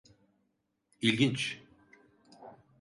İIginç.